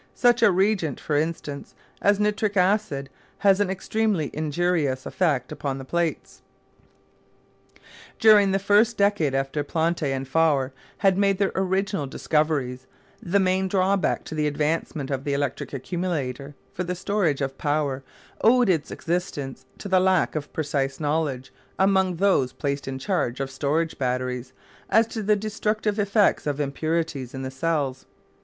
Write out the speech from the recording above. Such a reagent, for instance, as nitric acid has an extremely injurious effect upon the plates. During the first decade after Planté and Faure had made their original discoveries, the main drawback to the advancement of the electric accumulator for the storage of power owed its existence to the lack of precise knowledge, among those placed in charge of storage batteries, as to the destructive effects of impurities in the cells.